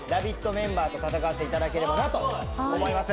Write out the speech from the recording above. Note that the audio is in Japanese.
メンバーと戦わせていただけたらなと思います。